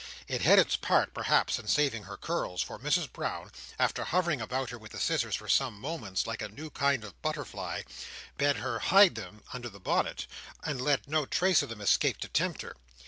It had its part, perhaps, in saving her curls; for Mrs Brown, after hovering about her with the scissors for some moments, like a new kind of butterfly, bade her hide them under the bonnet and let no trace of them escape to tempt her.